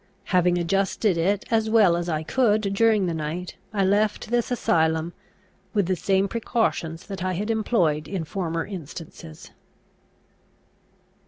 Having adjusted it as well as I could during the night, I left this asylum, with the same precautions that I had employed in former instances.